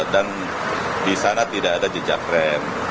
di sana tidak ada jejak rem